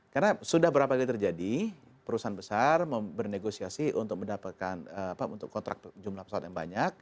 karena sudah berapa kali terjadi perusahaan besar bernegosiasi untuk mendapatkan kontrak jumlah pesawat yang banyak